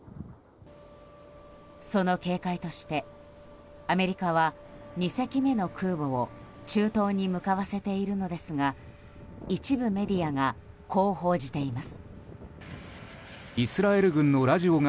その警戒としてアメリカは２隻目の空母を中東に向かわせているのですが一部メディアがこう報じています。